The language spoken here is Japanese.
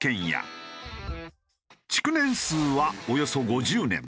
築年数はおよそ５０年。